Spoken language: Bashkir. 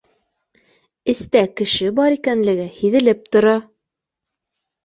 Эстә кеше бар икәнлеге һиҙелеп тора